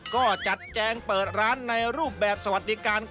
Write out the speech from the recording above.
ก็จัดแจงเปิดร้านในรูปแบบสวัสดิการ